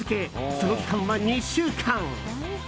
その期間は２週間。